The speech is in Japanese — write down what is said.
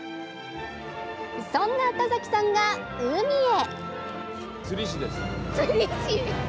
そんな田崎さんが海へ！